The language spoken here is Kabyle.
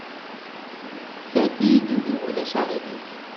Sɛeddi-yi-d udi, ma ulac aɣilif.